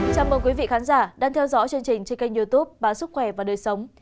chào mừng quý vị khán giả đang theo dõi chương trình trên kênh youtube báo sức khỏe và đời sống